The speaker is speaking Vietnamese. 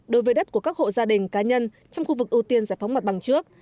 đối với đất của các hộ gia đình cá nhân trong khu vực ưu tiên giải phóng mặt bằng trước